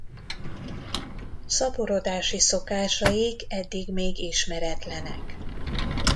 Szaporodási szokásaik eddig még ismeretlenek.